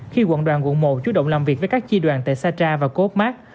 khi quận đoàn quận một chú động làm việc với các chi đoàn tại satra và cô úc mát